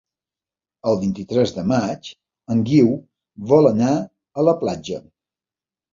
El vint-i-tres de maig en Guiu vol anar a la platja.